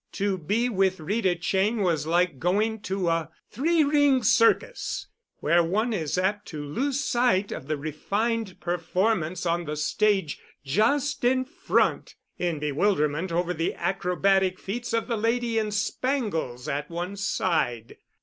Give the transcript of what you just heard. To be with Rita Cheyne was like going to a three ring circus, where one is apt to lose sight of the refined performance on the stage just in front in bewilderment over the acrobatic feats of the lady in spangles at one side.